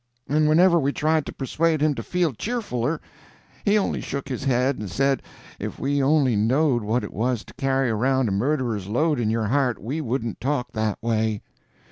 And whenever we tried to persuade him to feel cheerfuler, he only shook his head and said if we only knowed what it was to carry around a murderer's load in your heart we wouldn't talk that way.